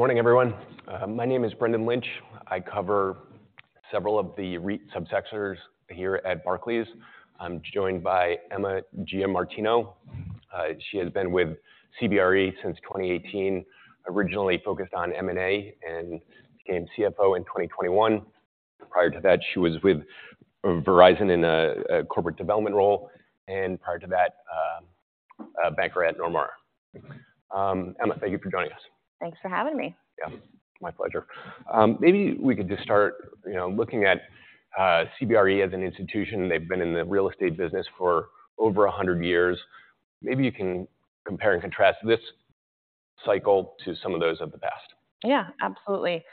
Morning, everyone. My name is Brendan Lynch. I cover several of the REIT subsectors here at Barclays. I'm joined by Emma Giamartino. She has been with CBRE since 2018, originally focused on M&A, and became CFO in 2021. Prior to that, she was with Verizon in a corporate development role, and prior to that, a banker at Nomura. Emma, thank you for joining us. Thanks for having me. Yeah, my pleasure. Maybe we could just start, you know, looking at CBRE as an institution. They've been in the real estate business for over 100 years. Maybe you can compare and contrast this cycle to some of those of the past. Yeah, absolutely.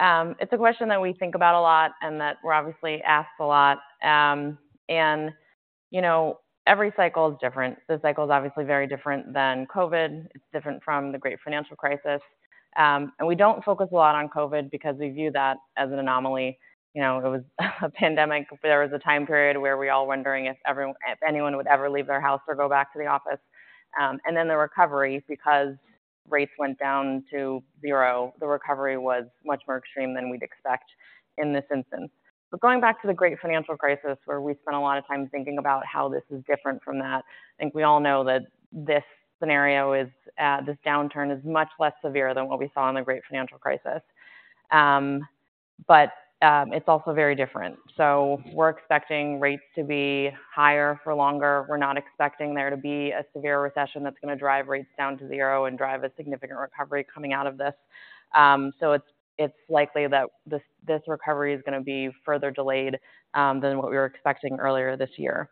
It's a question that we think about a lot and that we're obviously asked a lot. And, you know, every cycle is different. This cycle is obviously very different than COVID. It's different from the Great Financial Crisis. And we don't focus a lot on COVID because we view that as an anomaly. You know, it was a pandemic. There was a time period where we were all wondering if anyone would ever leave their house or go back to the office. And then the recovery, because rates went down to 0, the recovery was much more extreme than we'd expect in this instance. But going back to the Great Financial Crisis, where we spent a lot of time thinking about how this is different from that, I think we all know that this scenario is, this downturn is much less severe than what we saw in the Great Financial Crisis. But it's also very different. So we're expecting rates to be higher for longer. We're not expecting there to be a severe recession that's gonna drive rates down to zero and drive a significant recovery coming out of this. So it's likely that this recovery is gonna be further delayed than what we were expecting earlier this year.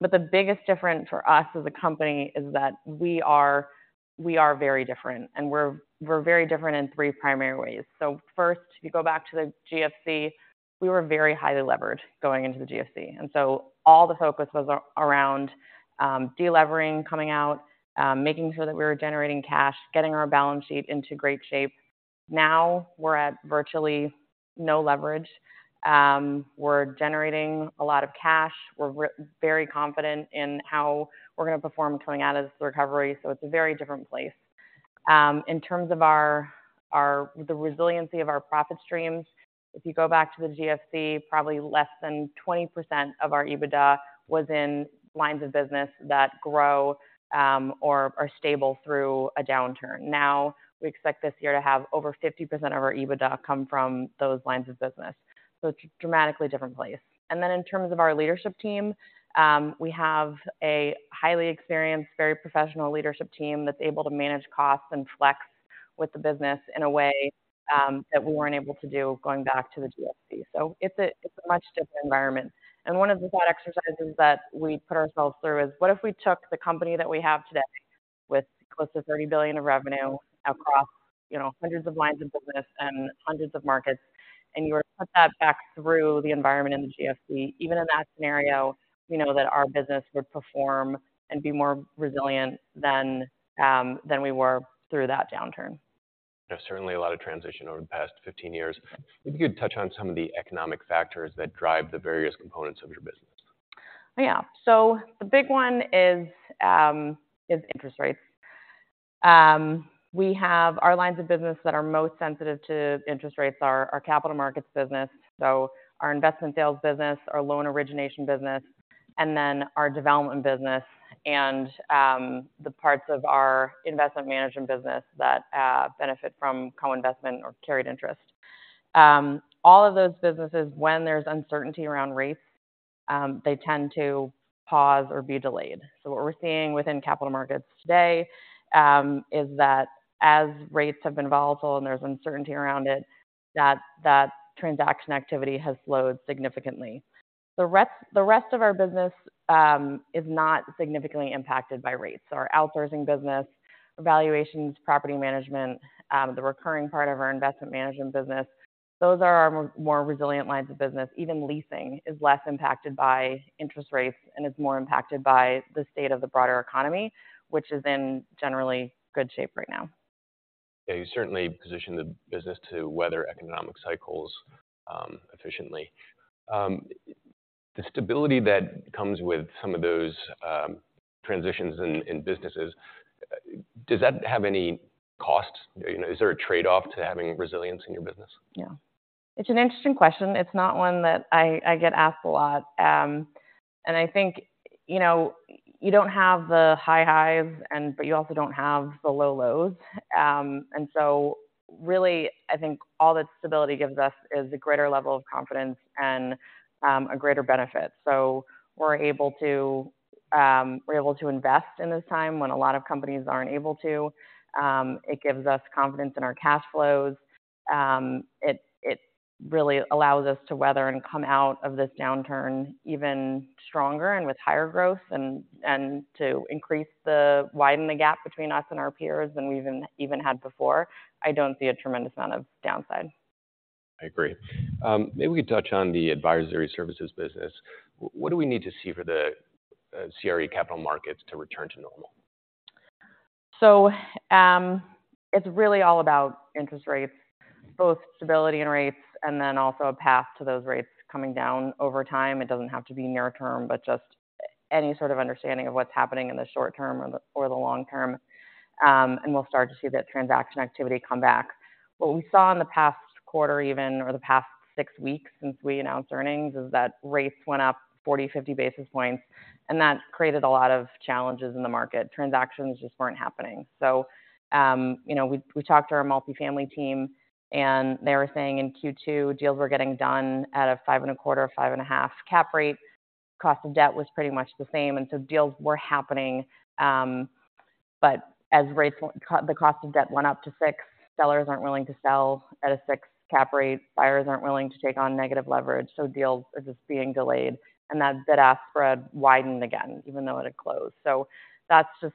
But the biggest difference for us as a company is that we are very different, and we're very different in three primary ways. So first, if you go back to the GFC, we were very highly levered going into the GFC, and so all the focus was around de-levering, coming out, making sure that we were generating cash, getting our balance sheet into great shape. Now, we're at virtually no leverage. We're generating a lot of cash. We're very confident in how we're gonna perform coming out of this recovery, so it's a very different place. In terms of our, the resiliency of our profit streams, if you go back to the GFC, probably less than 20% of our EBITDA was in lines of business that grow or are stable through a downturn. Now, we expect this year to have over 50% of our EBITDA come from those lines of business, so it's a dramatically different place. Then in terms of our leadership team, we have a highly experienced, very professional leadership team that's able to manage costs and flex with the business in a way, that we weren't able to do going back to the GFC. So it's a, it's a much different environment. And one of the thought exercises that we put ourselves through is: what if we took the company that we have today with close to $30 billion of revenue across, you know, hundreds of lines of business and hundreds of markets, and you were to put that back through the environment in the GFC? Even in that scenario, we know that our business would perform and be more resilient than, than we were through that downturn. There's certainly a lot of transition over the past 15 years. If you could touch on some of the economic factors that drive the various components of your business. Yeah. So the big one is interest rates. We have our lines of business that are most sensitive to interest rates: our Capital Markets business, so our investment sales business, our loan origination business, and then our development business, and the parts of our Investment Management business that benefit from co-investment or carried interest. All of those businesses, when there's uncertainty around rates, they tend to pause or be delayed. So what we're seeing within Capital Markets today is that as rates have been volatile and there's uncertainty around it, transaction activity has slowed significantly. The rest of our business is not significantly impacted by rates. So our outsourcing business, valuations, property management, the recurring part of our Investment Management business, those are our more resilient lines of business. Even leasing is less impacted by interest rates and is more impacted by the state of the broader economy, which is in generally good shape right now. Yeah, you certainly position the business to weather economic cycles, efficiently. The stability that comes with some of those transitions in businesses, does that have any costs? You know, is there a trade-off to having resilience in your business? Yeah. It's an interesting question. It's not one that I get asked a lot. And I think, you know, you don't have the high highs and, but you also don't have the low lows. And so really, I think all that stability gives us is a greater level of confidence and a greater benefit. So we're able to invest in this time when a lot of companies aren't able to. It gives us confidence in our cash flows. It really allows us to weather and come out of this downturn even stronger and with higher growth and to widen the gap between us and our peers than we even had before. I don't see a tremendous amount of downside. I agree. Maybe we could touch on the advisory services business. What do we need to see for the CRE capital markets to return to normal? So, it's really all about interest rates, both stability and rates, and then also a path to those rates coming down over time. It doesn't have to be near term, but just any sort of understanding of what's happening in the short term or the long term. And we'll start to see that transaction activity come back. What we saw in the past quarter even, or the past six weeks since we announced earnings, is that rates went up 40-50 basis points, and that created a lot of challenges in the market. Transactions just weren't happening. So, you know, we talked to our multifamily team, and they were saying in Q2, deals were getting done at a 5.25-5.5 cap rate. Cost of debt was pretty much the same, and so deals were happening. But as rates went, the cost of debt went up to 6, sellers aren't willing to sell at a 6 cap rate. Buyers aren't willing to take on negative leverage, so deals are just being delayed, and that bid-ask spread widened again, even though it had closed. So that's just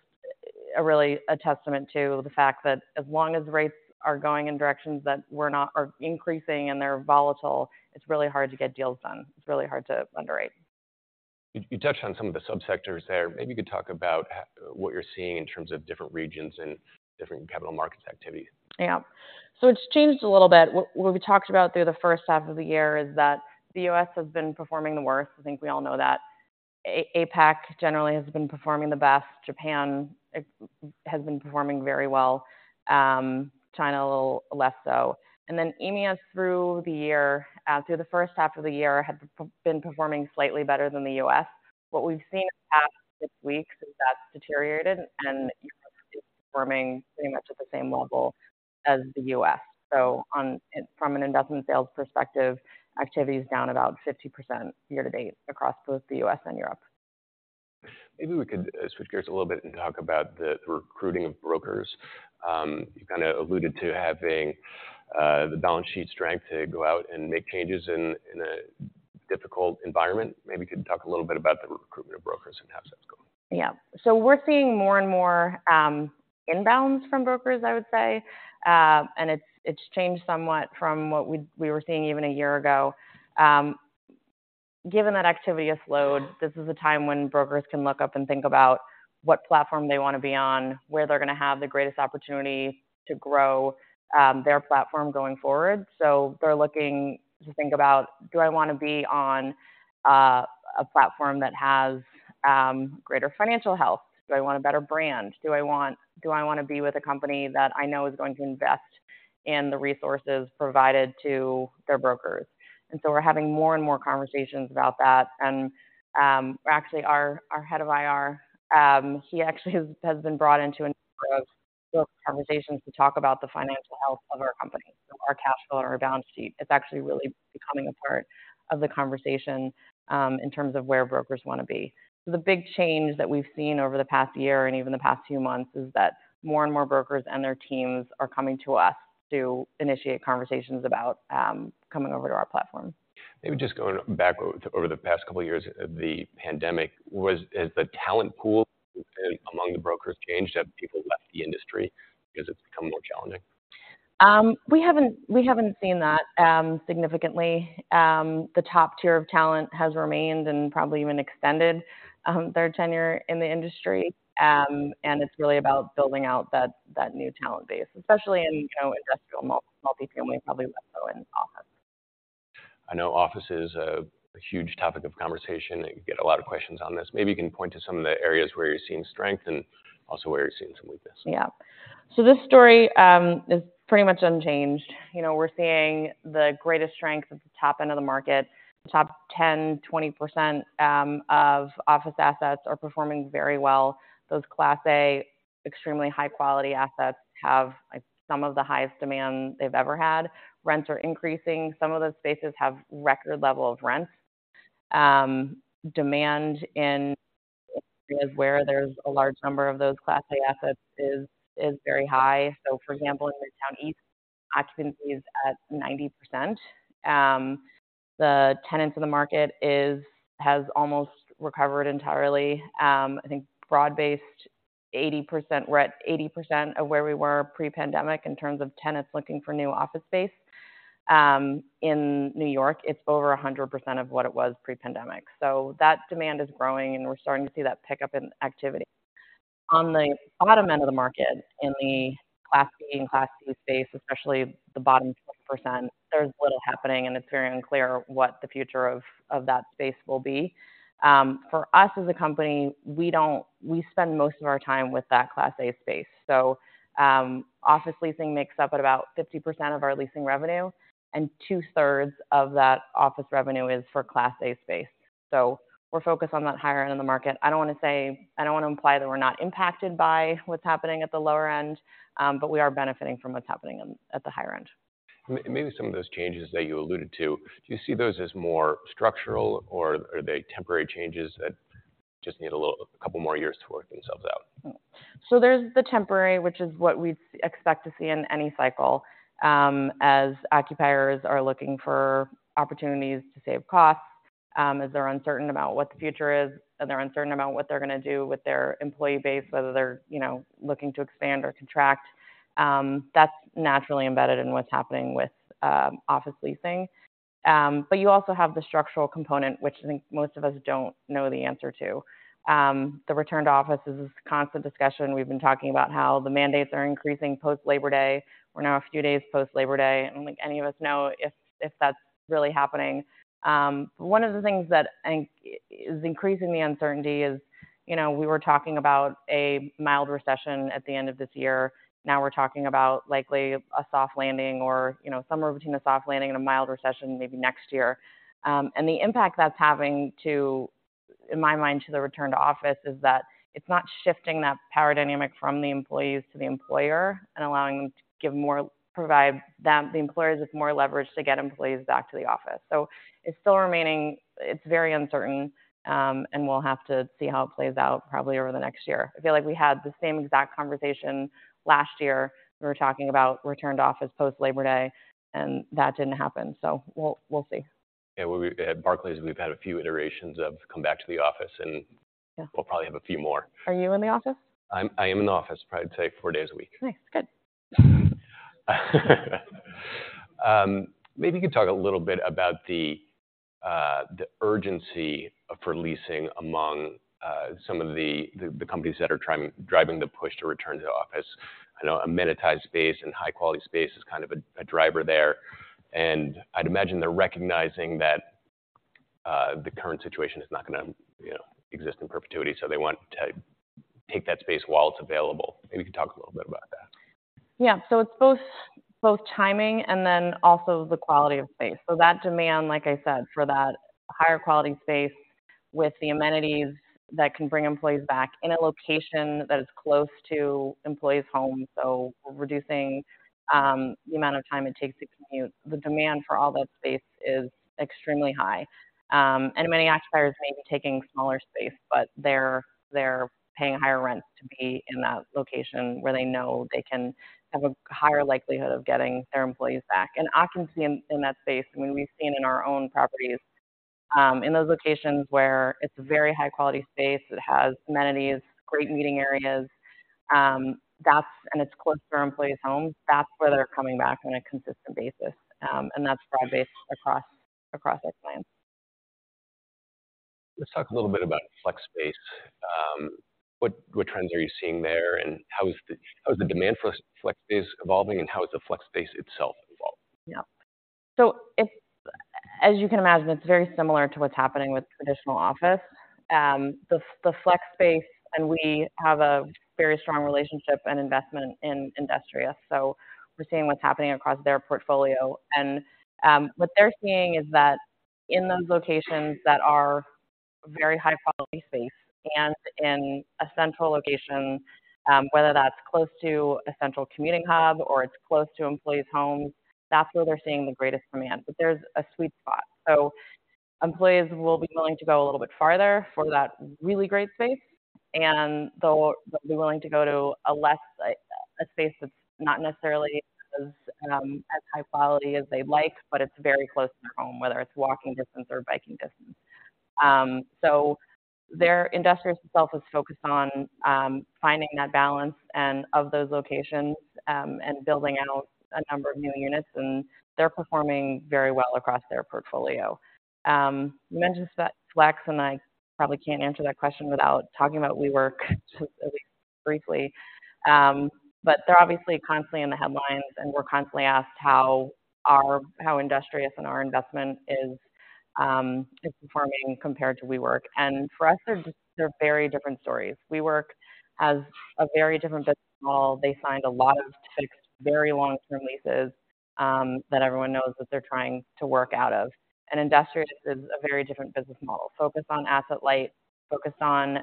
really a testament to the fact that as long as rates are going in directions that are increasing and they're volatile, it's really hard to get deals done. It's really hard to underwrite. You, you touched on some of the subsectors there. Maybe you could talk about what you're seeing in terms of different regions and different capital markets activity. Yeah. So it's changed a little bit. What we talked about through the first half of the year is that the US has been performing the worst. I think we all know that. APAC generally has been performing the best. Japan has been performing very well. China, a little less so. And then EMEA, through the first half of the year, had been performing slightly better than the US. What we've seen in the past six weeks is that's deteriorated, and it's performing pretty much at the same level as the US. So from an investment sales perspective, activity is down about 50% year to date across both the US and Europe. Maybe we could switch gears a little bit and talk about the recruiting of brokers. You kind of alluded to having the balance sheet strength to go out and make changes in a difficult environment. Maybe you could talk a little bit about the recruitment of brokers and how that's going. Yeah. So we're seeing more and more inbounds from brokers, I would say. And it's changed somewhat from what we were seeing even a year ago. Given that activity has slowed, this is a time when brokers can look up and think about what platform they want to be on, where they're going to have the greatest opportunity to grow their platform going forward. So they're looking to think about: Do I want to be on a platform that has greater financial health? Do I want a better brand? Do I want—Do I want to be with a company that I know is going to invest in the resources provided to their brokers? And so we're having more and more conversations about that. Actually, our head of IR has been brought into a number of conversations to talk about the financial health of our company, so our cash flow and our balance sheet. It's actually really becoming a part of the conversation in terms of where brokers want to be. The big change that we've seen over the past year and even the past few months is that more and more brokers and their teams are coming to us to initiate conversations about coming over to our platform. Maybe just going back over the past couple of years of the pandemic, has the talent pool among the brokers changed, have people left the industry because it's become more challenging? We haven't, we haven't seen that significantly. The top tier of talent has remained and probably even extended their tenure in the industry. And it's really about building out that new talent base, especially in, you know, industrial, multifamily, probably less so in office. I know office is a huge topic of conversation, and you get a lot of questions on this. Maybe you can point to some of the areas where you're seeing strength and also where you're seeing some weakness. Yeah. So this story is pretty much unchanged. You know, we're seeing the greatest strength at the top end of the market. The top 10-20% of office assets are performing very well. Those Class A, extremely high-quality assets have, like, some of the highest demand they've ever had. Rents are increasing. Some of those spaces have record level of rents. Demand in areas where there's a large number of those Class A assets is very high. So for example, in Midtown East, occupancy is at 90%. The tenants in the market is, has almost recovered entirely. I think broad-based 80%, we're at 80% of where we were pre-pandemic in terms of tenants looking for new office space. In New York, it's over 100% of what it was pre-pandemic. So that demand is growing, and we're starting to see that pickup in activity. On the bottom end of the market, in the Class B and Class C space, especially the bottom 10%, there's little happening, and it's very unclear what the future of that space will be. For us as a company, we spend most of our time with that Class A space. So, office leasing makes up at about 50% of our leasing revenue, and two-thirds of that office revenue is for Class A space. So we're focused on that higher end of the market. I don't want to imply that we're not impacted by what's happening at the lower end, but we are benefiting from what's happening at the higher end. Maybe some of those changes that you alluded to, do you see those as more structural, or are they temporary changes that just need a little, a couple more years to work themselves out? So there's the temporary, which is what we'd expect to see in any cycle, as occupiers are looking for opportunities to save costs, as they're uncertain about what the future is, and they're uncertain about what they're going to do with their employee base, whether they're, you know, looking to expand or contract. That's naturally embedded in what's happening with office leasing. But you also have the structural component, which I think most of us don't know the answer to. The return to office is this constant discussion. We've been talking about how the mandates are increasing post-Labor Day. We're now a few days post-Labor Day. I don't think any of us know if that's really happening. But one of the things that I think-... is increasing the uncertainty, you know, we were talking about a mild recession at the end of this year. Now we're talking about likely a soft landing or, you know, somewhere between a soft landing and a mild recession maybe next year. And the impact that's having to, in my mind, to the return to office, is that it's not shifting that power dynamic from the employees to the employer and allowing them to provide them, the employers, with more leverage to get employees back to the office. So it's still remaining. It's very uncertain, and we'll have to see how it plays out probably over the next year. I feel like we had the same exact conversation last year. We were talking about return to office post Labor Day, and that didn't happen, so we'll see. Yeah, at Barclays, we've had a few iterations of come back to the office, and- Yeah We'll probably have a few more. Are you in the office? I'm in the office, probably, I'd say four days a week. Nice. Good. Maybe you could talk a little bit about the urgency for leasing among some of the companies that are driving the push to return to the office. I know amenitized space and high-quality space is kind of a driver there, and I'd imagine they're recognizing that the current situation is not gonna, you know, exist in perpetuity, so they want to take that space while it's available. Maybe you could talk a little bit about that. Yeah. So it's both, both timing and then also the quality of space. So that demand, like I said, for that higher quality space with the amenities that can bring employees back in a location that is close to employees' homes, so reducing the amount of time it takes to commute. The demand for all that space is extremely high. And many occupiers may be taking smaller space, but they're, they're paying higher rents to be in that location where they know they can have a higher likelihood of getting their employees back. And occupancy in, in that space, I mean, we've seen in our own properties, in those locations where it's a very high-quality space, it has amenities, great meeting areas, that's, and it's close to employees' homes, that's where they're coming back on a consistent basis. And that's broad-based across our clients. Let's talk a little bit about flex space. What trends are you seeing there, and how is the demand for flex space evolving, and how is the flex space itself evolving? Yeah. So it's... As you can imagine, it's very similar to what's happening with traditional office. The flex space, and we have a very strong relationship and investment in Industrious, so we're seeing what's happening across their portfolio. And what they're seeing is that in those locations that are very high quality space and in a central location, whether that's close to a central commuting hub or it's close to employees' homes, that's where they're seeing the greatest demand. But there's a sweet spot. So employees will be willing to go a little bit farther for that really great space, and they'll, they'll be willing to go to a less, a space that's not necessarily as, as high quality as they'd like, but it's very close to their home, whether it's walking distance or biking distance. So they're... Industrious itself is focused on finding that balance and of those locations, and building out a number of new units, and they're performing very well across their portfolio. You mentioned flex, and I probably can't answer that question without talking about WeWork, at least briefly. But they're obviously constantly in the headlines, and we're constantly asked how Industrious and our investment is performing compared to WeWork. And for us, they're just, they're very different stories. WeWork has a very different business model. They signed a lot of fixed, very long-term leases that everyone knows that they're trying to work out of. Industrious is a very different business model, focused on asset light, focused on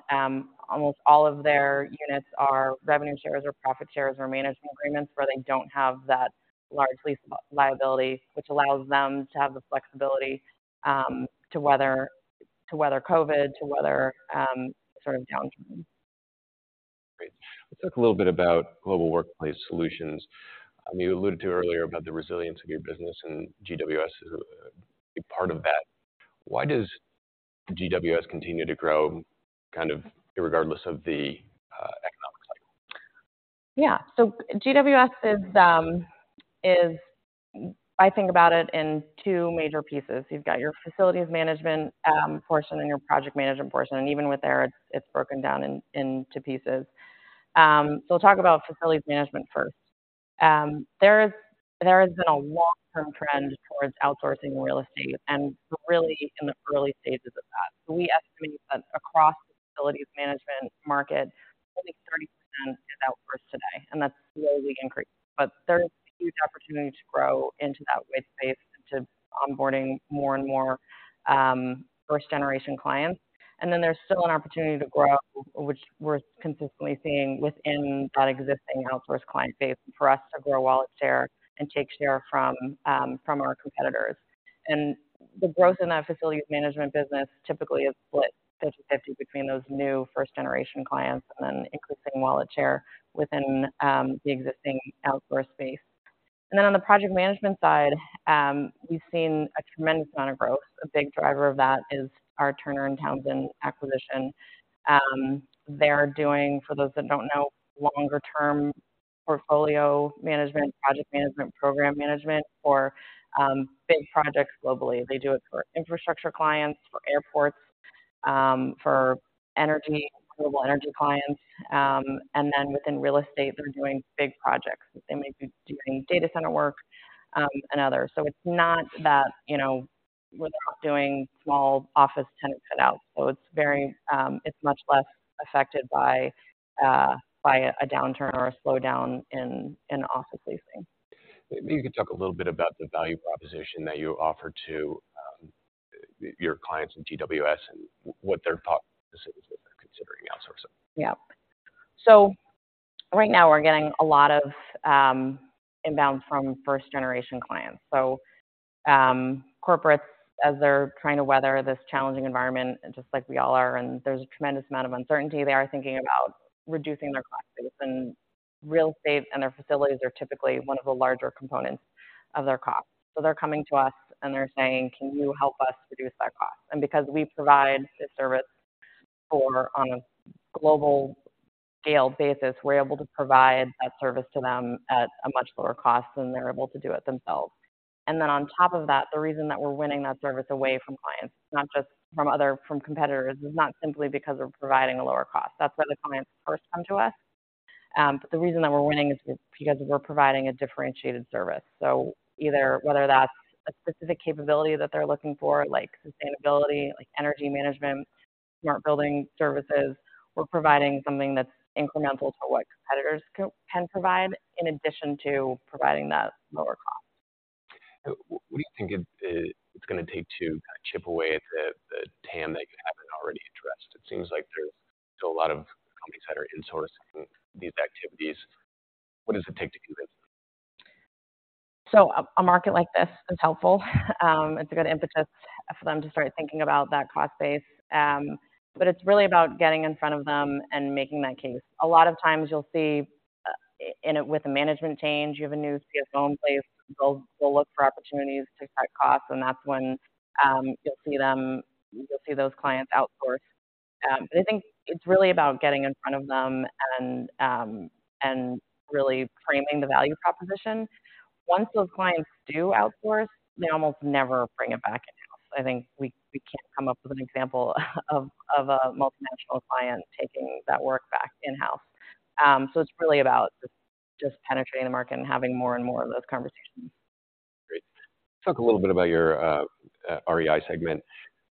almost all of their units are revenue shares or profit shares or management agreements, where they don't have that large lease liability, which allows them to have the flexibility to weather, to weather COVID, to weather sort of downturn. Great. Let's talk a little bit about Global Workplace Solutions. You alluded to earlier about the resilience of your business, and GWS is a part of that. Why does GWS continue to grow kind of irregardless of the economic cycle? Yeah. So GWS is. I think about it in two major pieces. You've got your facilities management portion and your project management portion, and even with there, it's broken down into pieces. So we'll talk about facilities management first. There has been a long-term trend towards outsourcing real estate, and we're really in the early stages of that. We estimate that across the facilities management market, I think 30% is outsourced today, and that's slowly increasing. But there's a huge opportunity to grow into that white space, to onboarding more and more first-generation clients. And then there's still an opportunity to grow, which we're consistently seeing within that existing outsourced client base, for us to grow wallet share and take share from our competitors. The growth in that facilities management business typically is split 50/50 between those new first-generation clients and then increasing wallet share within the existing outsourced space. And then on the project management side, we've seen a tremendous amount of growth. A big driver of that is our Turner & Townsend acquisition. They're doing, for those that don't know, longer-term portfolio management, project management, program management for big projects globally. They do it for infrastructure clients, for airports, for energy, global energy clients. And then within real estate, they're doing big projects. They may be doing data center work and others. So it's not that without doing small office tenant cutouts. So it's very. It's much less affected by a downturn or a slowdown in office leasing. Maybe you could talk a little bit about the value proposition that you offer to your clients in GWS and what they're thinking about considering outsourcing? Yep. So right now we're getting a lot of inbound from first-generation clients. So corporates, as they're trying to weather this challenging environment, just like we all are, and there's a tremendous amount of uncertainty, they are thinking about reducing their costs. And real estate and their facilities are typically one of the larger components of their costs. So they're coming to us, and they're saying, "Can you help us reduce our costs?" And because we provide this service for on a global scale basis, we're able to provide that service to them at a much lower cost than they're able to do it themselves. And then on top of that, the reason that we're winning that service away from clients, not just from from competitors, is not simply because we're providing a lower cost. That's why the clients first come to us. The reason that we're winning is because we're providing a differentiated service. Either whether that's a specific capability that they're looking for, like sustainability, like energy management, smart building services, we're providing something that's incremental to what competitors can provide, in addition to providing that lower cost. What do you think it's gonna take to chip away at the TAM that you haven't already addressed? It seems like there's still a lot of companies that are insourcing these activities. What does it take to convince them? So, a market like this is helpful. It's a good impetus for them to start thinking about that cost base. But it's really about getting in front of them and making that case. A lot of times you'll see in with a management change, you have a new CFO in place. They'll look for opportunities to cut costs, and that's when you'll see those clients outsource. But I think it's really about getting in front of them and really framing the value proposition. Once those clients do outsource, they almost never bring it back in-house. I think we can't come up with an example of a multinational client taking that work back in-house. So it's really about just penetrating the market and having more and more of those conversations. Great. Talk a little bit about your REIT segment.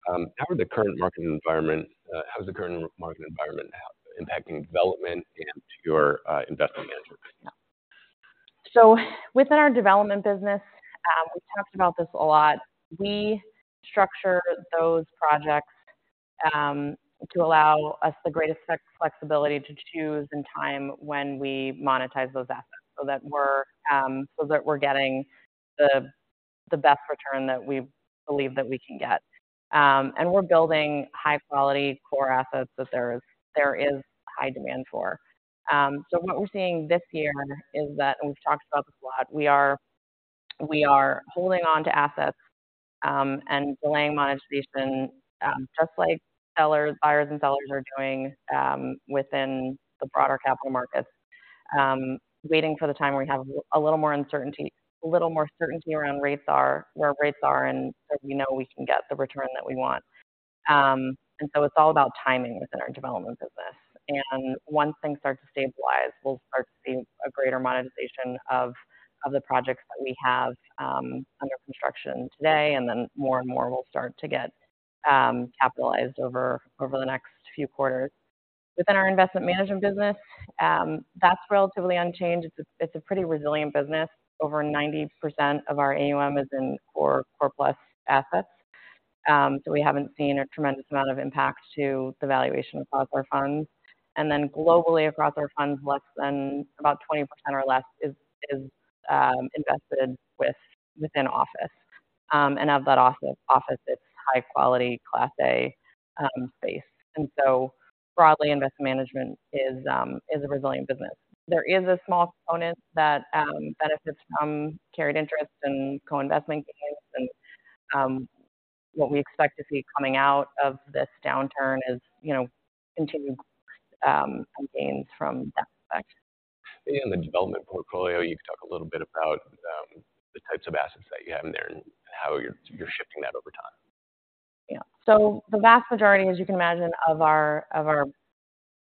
How is the current market environment now impacting development and your investment management? So within our development business, we've talked about this a lot. We structure those projects to allow us the greatest flexibility to choose in time when we monetize those assets so that we're getting the best return that we believe that we can get. And we're building high-quality core assets that there is high demand for. So what we're seeing this year is that, and we've talked about this a lot, we are holding on to assets and delaying monetization just like sellers, buyers and sellers are doing within the broader capital markets. Waiting for the time where we have a little more certainty around where rates are, and so we know we can get the return that we want. And so it's all about timing within our development business. And once things start to stabilize, we'll start to see a greater monetization of the projects that we have under construction today, and then more and more will start to get capitalized over the next few quarters. Within our investment management business, that's relatively unchanged. It's a pretty resilient business. Over 90% of our AUM is in core, core-plus assets. So we haven't seen a tremendous amount of impact to the valuation across our funds. And then globally, across our funds, less than about 20% or less is invested within office. And of that office, it's high quality, Class A space. And so broadly, investment management is a resilient business. There is a small component that benefits from carried interest and co-investment gains. What we expect to see coming out of this downturn is, you know, continued gains from that effect. In the development portfolio, you can talk a little bit about the types of assets that you have in there and how you're shifting that over time. Yeah. So the vast majority, as you can imagine, of our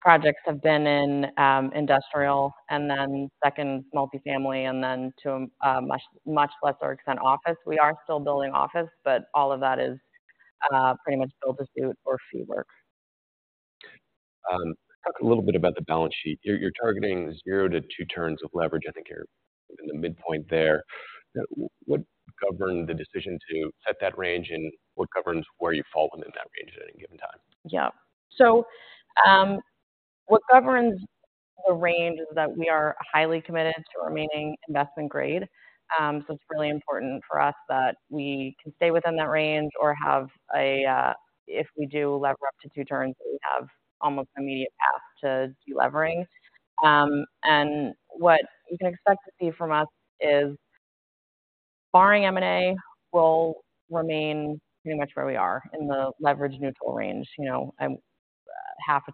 projects have been in industrial and then second multifamily, and then to a much, much lesser extent, office. We are still building office, but all of that is pretty much build to suit or fee work. Talk a little bit about the balance sheet. You're targeting 0-2 turns of leverage. I think you're in the midpoint there. What governed the decision to set that range, and what governs where you fall within that range at any given time? Yeah. So, what governs the range is that we are highly committed to remaining Investment Grade. So it's really important for us that we can stay within that range or have a... If we do lever up to 2 turns, we have almost immediate path to delevering. And what you can expect to see from us is, barring M&A, we'll remain pretty much where we are in the leverage neutral range, you know, 0.5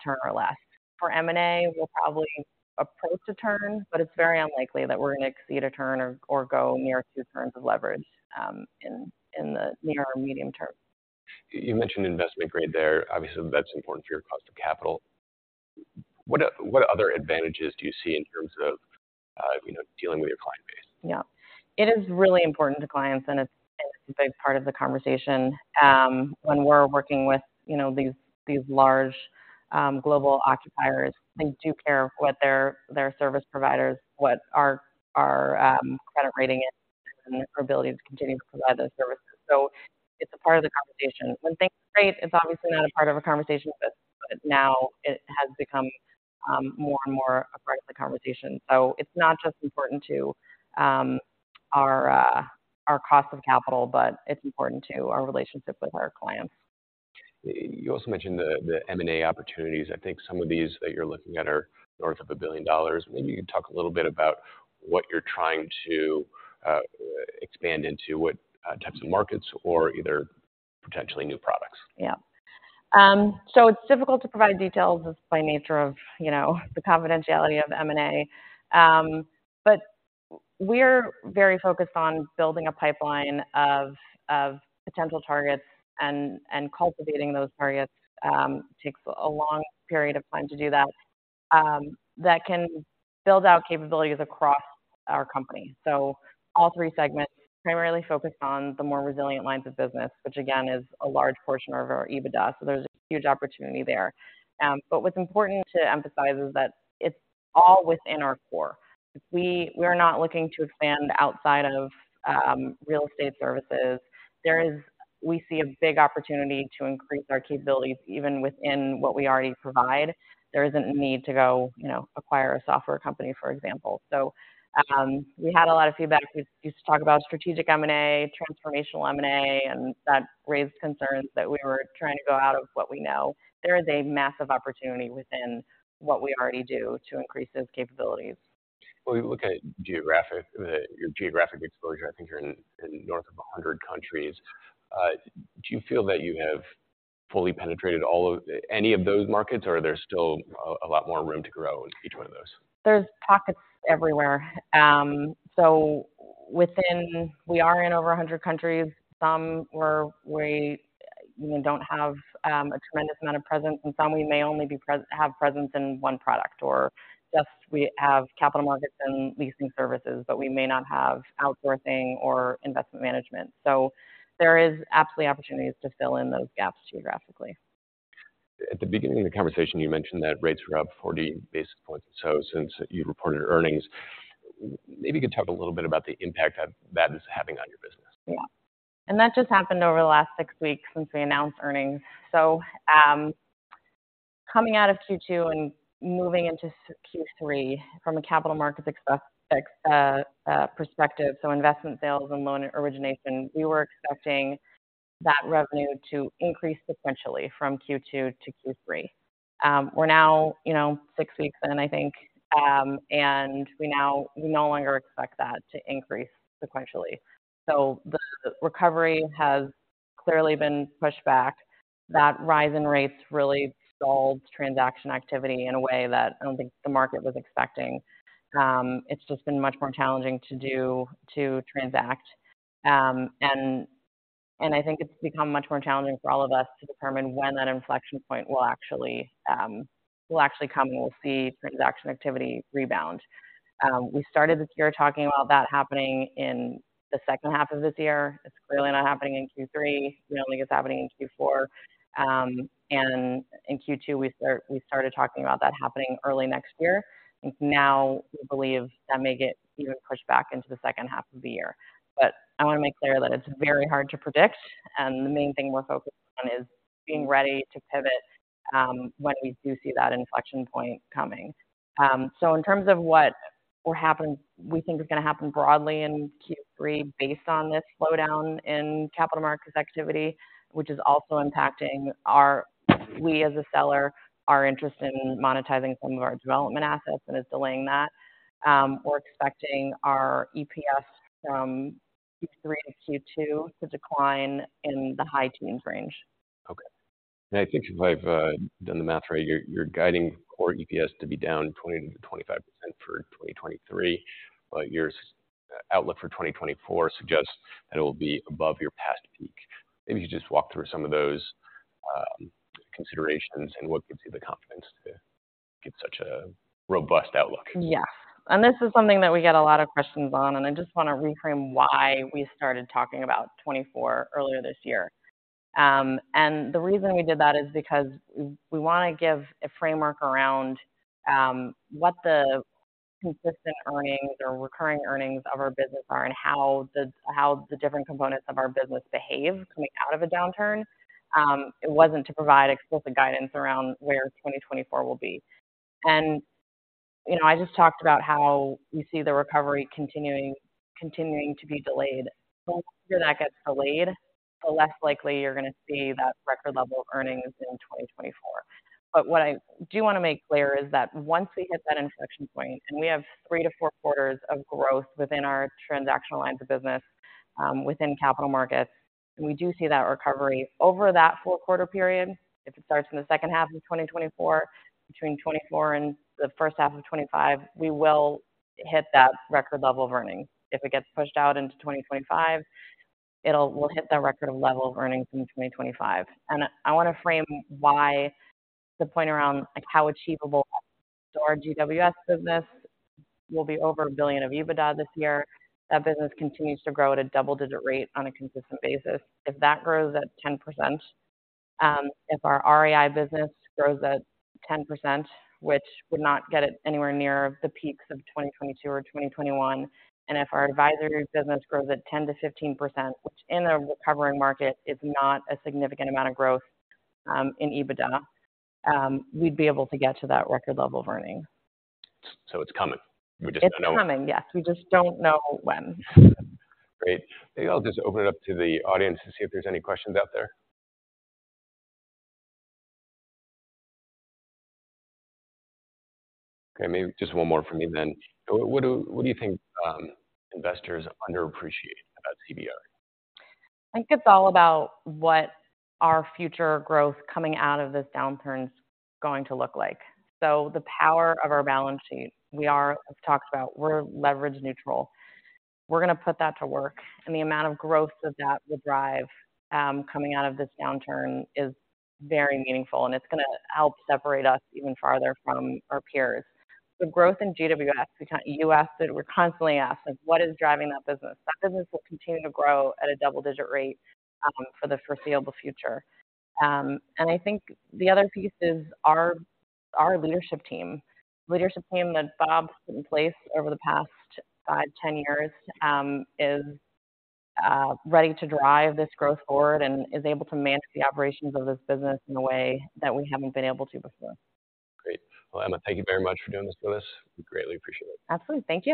turn or less. For M&A, we'll probably approach 1 turn, but it's very unlikely that we're going to exceed 1 turn or go near 2 turns of leverage, in the near or medium term. You mentioned Investment Grade there. Obviously, that's important for your cost of capital. What other advantages do you see in terms of, you know, dealing with your client base? Yeah. It is really important to clients, and it's a big part of the conversation. When we're working with, you know, these large global occupiers, they do care what their service providers, what our credit rating is and our ability to continue to provide those services. So it's a part of the conversation. When things are great, it's obviously not a part of a conversation, but now it has become more and more a part of the conversation. So it's not just important to our cost of capital, but it's important to our relationship with our clients. You also mentioned the M&A opportunities. I think some of these that you're looking at are north of $1 billion. Maybe you can talk a little bit about what you're trying to expand into, what types of markets or either potentially new products. Yeah. So it's difficult to provide details just by nature of, you know, the confidentiality of M&A. But we're very focused on building a pipeline of potential targets and cultivating those targets takes a long period of time to do that, that can build out capabilities across our company. So all three segments primarily focus on the more resilient lines of business, which again, is a large portion of our EBITDA. So there's a huge opportunity there. But what's important to emphasize is that it's all within our core. We're not looking to expand outside of real estate services. There is. We see a big opportunity to increase our capabilities even within what we already provide. There isn't a need to go, you know, acquire a software company, for example. So, we had a lot of feedback. We used to talk about strategic M&A, transformational M&A, and that raised concerns that we were trying to go out of what we know. There is a massive opportunity within what we already do to increase those capabilities. When we look at geographic, your geographic exposure, I think you're in, in north of 100 countries. Do you feel that you have fully penetrated all of... any of those markets, or are there still a lot more room to grow in each one of those? There's pockets everywhere. So within we are in over 100 countries. Some where we, you know, don't have a tremendous amount of presence, in some we may only have presence in one product or just we have capital markets and leasing services, but we may not have outsourcing or investment management. So there is absolutely opportunities to fill in those gaps geographically. At the beginning of the conversation, you mentioned that rates were up 40 basis points or so since you reported earnings. Maybe you could talk a little bit about the impact that is having on your business. Yeah. And that just happened over the last six weeks since we announced earnings. So, coming out of Q2 and moving into Q3, from a capital markets perspective, so investment sales and loan origination, we were expecting that revenue to increase sequentially from Q2 to Q3. We're now, you know, six weeks in, I think, and we now we no longer expect that to increase sequentially. So the recovery has clearly been pushed back. That rise in rates really stalled transaction activity in a way that I don't think the market was expecting. It's just been much more challenging to do, to transact. And I think it's become much more challenging for all of us to determine when that inflection point will actually come, and we'll see transaction activity rebound. We started this year talking about that happening in the second half of this year. It's clearly not happening in Q3. We don't think it's happening in Q4. And in Q2, we started talking about that happening early next year. Now, we believe that may get even pushed back into the second half of the year. But I want to make clear that it's very hard to predict, and the main thing we're focused on is being ready to pivot when we do see that inflection point coming. So in terms of what will happen, we think is going to happen broadly in Q3 based on this slowdown in capital markets activity, which is also impacting our, we as a seller, are interested in monetizing some of our development assets and is delaying that. We're expecting our EPS from Q3 to Q2 to decline in the high teens range. Okay. I think if I've done the math right, you're, you're guiding core EPS to be down 20%-25% for 2023, but your outlook for 2024 suggests that it will be above your past peak. Maybe you just walk through some of those considerations and what gives you the confidence to get such a robust outlook? Yes, and this is something that we get a lot of questions on, and I just want to reframe why we started talking about 2024 earlier this year. And the reason we did that is because we want to give a framework around what the consistent earnings or recurring earnings of our business are and how the different components of our business behave coming out of a downturn. It wasn't to provide explicit guidance around where 2024 will be. And, you know, I just talked about how we see the recovery continuing to be delayed. The longer that gets delayed, the less likely you're going to see that record level of earnings in 2024. But what I do want to make clear is that once we hit that inflection point, and we have 3-4 quarters of growth within our transactional lines of business, within capital markets, we do see that recovery over that 4-quarter period. If it starts in the second half of 2024, between 2024 and the first half of 2025, we will hit that record level of earnings. If it gets pushed out into 2025, we'll hit that record level of earnings in 2025. And I wanna frame why the point around, like, how achievable our GWS business will be over $1 billion of EBITDA this year. That business continues to grow at a double-digit rate on a consistent basis. If that grows at 10%, if our REI business grows at 10%, which would not get it anywhere near the peaks of 2022 or 2021, and if our advisory business grows at 10%-15%, which in a recovering market, is not a significant amount of growth, in EBITDA, we'd be able to get to that record level of earning. It's coming? We just don't know when. It's coming, yes, we just don't know when. Great. Maybe I'll just open it up to the audience to see if there's any questions out there. Okay, maybe just one more from me then. What do you think investors underappreciate about CBRE? I think it's all about what our future growth coming out of this downturn is going to look like. So the power of our balance sheet, we are... I've talked about, we're leverage neutral. We're gonna put that to work, and the amount of growth that that will drive, coming out of this downturn is very meaningful, and it's gonna help separate us even farther from our peers. The growth in GWS, we kind-- US, that we're constantly asked, is what is driving that business? That business will continue to grow at a double-digit rate, for the foreseeable future. And I think the other piece is our, our leadership team. Leadership team that Bob's put in place over the past five, 10 years, is ready to drive this growth forward and is able to manage the operations of this business in a way that we haven't been able to before. Great! Well, Emma, thank you very much for doing this with us. We greatly appreciate it. Absolutely. Thank you.